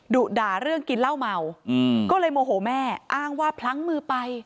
ดุด่าเรื่องกินเหล้าเมาอืมก็เลยโมโหแม่อ้างว่าพลั้งมือไป